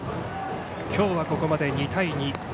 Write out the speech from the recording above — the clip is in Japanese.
今日はここまで２対２。